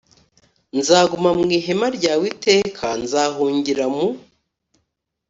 Nzaguma mu ihema ryawe iteka Nzahungira mu